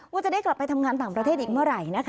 ว่าจะได้กลับไปทำงานต่างประเทศอีกเมื่อไหร่นะคะ